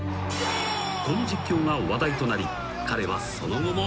［この実況が話題となり彼はその後も］